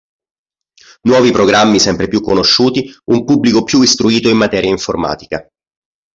Nuovi programmi sempre più conosciuti, un pubblico più istruito in materia informatica.